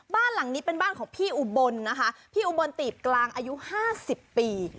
บ้านหลังนี้เป็นบ้านของพี่อุบลนะคะพี่อุบลตีบกลางอายุ๕๐ปี